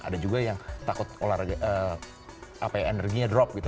ada juga yang takut olahraga energinya drop gitu